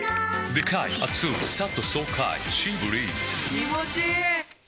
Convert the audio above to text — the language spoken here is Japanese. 気持ちいい！